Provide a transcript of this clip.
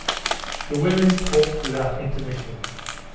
The women talked without intermission.